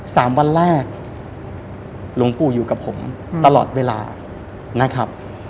สามวันแรกหลวงปู่อยู่กับผมตลอดเวลานะครับ